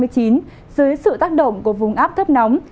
dưới sự tác động của vùng áp thấp nóng